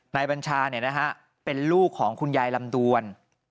บัญชาเป็นลูกของคุณยายลำดวน